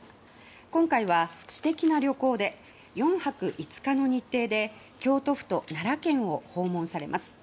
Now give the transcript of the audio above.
今回は私的な旅行で４泊５日の日程で京都府と奈良県を訪問されます。